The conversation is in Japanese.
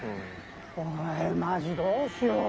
お前マジどうしよう。